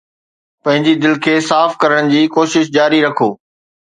پنهنجي دل کي صاف ڪرڻ جي ڪوشش جاري رکو.